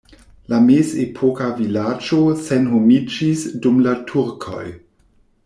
La mezepoka vilaĝo senhomiĝis dum la turkoj.